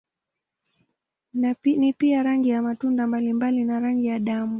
Ni pia rangi ya matunda mbalimbali na rangi ya damu.